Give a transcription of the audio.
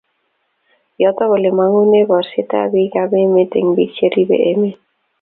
yoto ole mangunee borsetab biikap emet ago biik cheribe emet